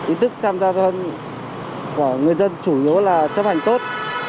ý tức tham gia thân của người dân chủ yếu là chấp hành tốt